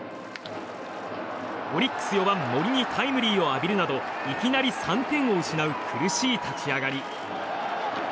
オリックス４番森にタイムリーを浴びるなどいきなり３点を失う苦しい立ち上がり。